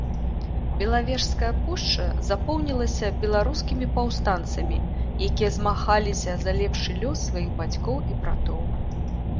Белавежская пушча запоўнілася беларускімі паўстанцамі, якія змагаліся за лепшы лёс сваіх бацькоў і братоў.